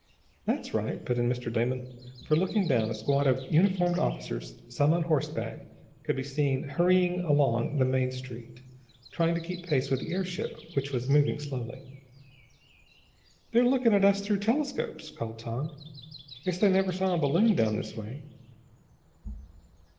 "That's right," put in Mr. Damon, for, looking down, a squad of uniformed officers, some on horseback, could be seen hurrying along the main street, trying to keep pace with the airship, which was moving slowly. "They're looking at us through telescopes," called Tom. "Guess they never saw a balloon down this way."